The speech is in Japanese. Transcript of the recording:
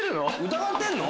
疑ってるの？